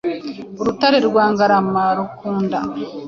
Urutare rwa Ngarama rukunda